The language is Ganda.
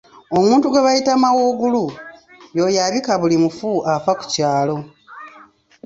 Omuntu gwe bayita mawuugulu y’oyo abika buli mufu afa ku kyalo